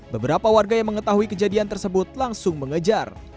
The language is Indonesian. beberapa warga yang mengetahui kejadian tersebut langsung mengejar